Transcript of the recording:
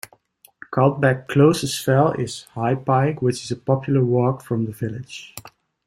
Caldbeck's closest fell is High Pike, which is a popular walk from the village.